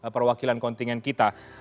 perwakilan kontingen kita